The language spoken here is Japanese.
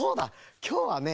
きょうはね